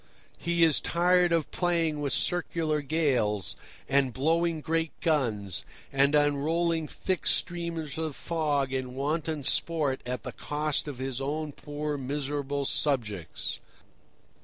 He is tired of playing with circular gales, and blowing great guns, and unrolling thick streamers of fog in wanton sport at the cost of his own poor, miserable subjects.